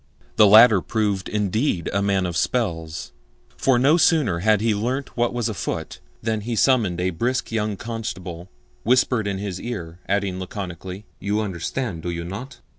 The latter proved indeed a man of spells, for no sooner had he learnt what was afoot than he summoned a brisk young constable, whispered in his ear, adding laconically, "You understand, do you not?"